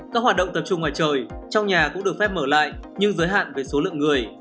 các hoạt động tập trung ngoài trời trong nhà cũng được phép mở lại nhưng giới hạn về số lượng người